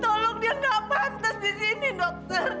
tolong dia nggak pantas di sini dokter